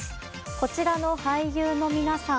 こちらの俳優の皆さん